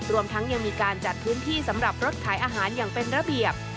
รวมทั้งยังมีการจัดพื้นที่สำหรับรถขายอาหารอย่างเป็นระเบียบ